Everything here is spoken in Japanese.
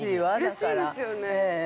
◆うれしいですよね。